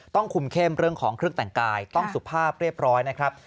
ต้องคุมเข้มเรื่องของเครื่องแต่งกายต้องสุภาพเรียบร้อยนะครับ